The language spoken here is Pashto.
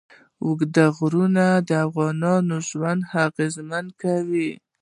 اوږده غرونه د افغانانو ژوند اغېزمن کوي.